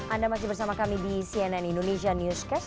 anda masih bersama kami di cnn indonesia newscast